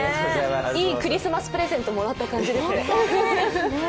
いいクリスマスプレゼントもらった感じです。